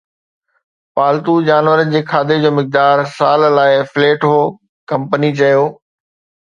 پالتو جانورن جي کاڌي جو مقدار سال لاء فليٽ هو، ڪمپني چيو